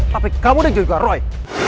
tapi kamu dan juga roy